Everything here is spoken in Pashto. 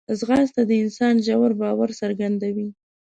ځغاسته د انسان ژور باور څرګندوي